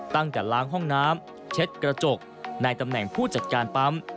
ตั้งแต่ล้างห้องน้ำเช็ดกระจกในตำแหน่งผู้จัดการปั๊ม